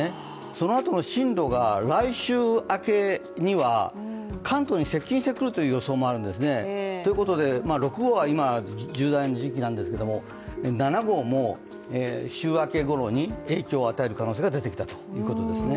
そのあとの進路が来週明けには関東に接近してくるという予想もあるんですねということで６号は今、重大な時期なんですけれども７号も週明けごろに影響を与える可能性が出てきたということですね。